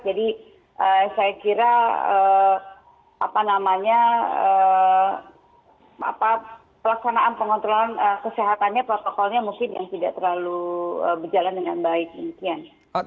jadi saya kira pelaksanaan pengontrolan kesehatannya protokolnya mungkin yang tidak terlalu berjalan dengan baik